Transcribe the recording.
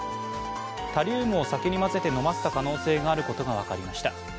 タリウムを酒に混ぜて飲ませた可能性があることが分かりました。